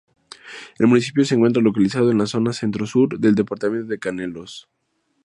El municipio se encuentra localizado en la zona centro-sur del departamento de Canelones.